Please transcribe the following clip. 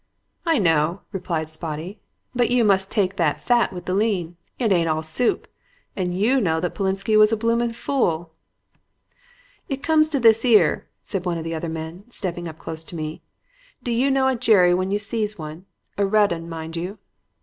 "'I know,' replied Spotty, 'but you must take the fat with the lean. It ain't all soup. And you know that Polensky was a bloomin' fool.' "'It comes to this 'ere,' said one of the other men, stepping up close to me. 'Do you know a jerry when you sees one a red 'un, mind you?'